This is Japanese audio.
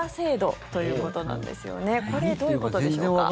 これ、どういうことでしょうか？